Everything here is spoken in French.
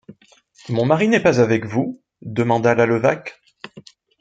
Mon mari n’est pas avec vous? demanda la Levaque.